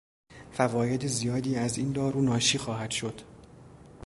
فواید زیادی از این دارو ناشی خواهد شد.